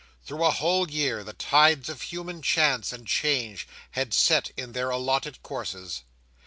Through a whole year, the tides of human chance and change had set in their allotted courses.